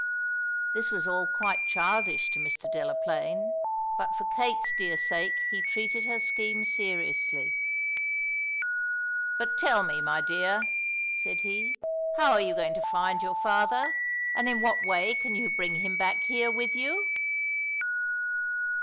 This was all quite childish to Mr. Delaplaine, but for Kate's dear sake he treated her scheme seriously. "But tell me, my dear," said he, "how are you going to find your father, and in what way can you bring him back here with you?"